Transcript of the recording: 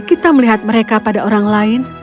kita melihat mereka pada orang lain